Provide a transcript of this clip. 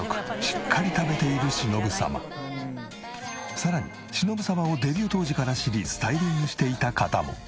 さらに忍様をデビュー当時から知りスタイリングしていた方も。